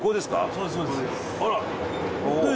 そうです。